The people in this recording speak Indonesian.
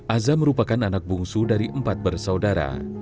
aza merupakan anak bungsu dari empat bersaudara